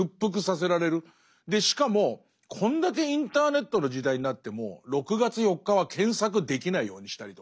しかもこんだけインターネットの時代になっても６月４日は検索できないようにしたりとか。